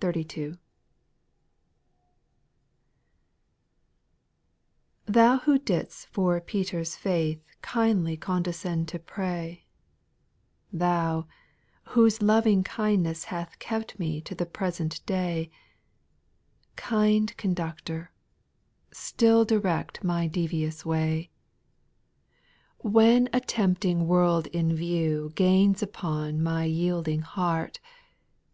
npHOU, who did 'st for Peter's faith X Bandly condescend to pray, Thou, whose loving kindness hath Kept me to the present day. Kind Conductor, Still direct my devious vja^ \ 7* 78 SPIRITUAL SONGS. 2. When a tempting world in view Gains upon my yielding lieart.